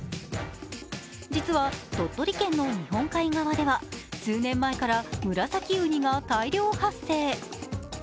実は、鳥取県の日本海側では、数年前からムラサキウニが大量発生。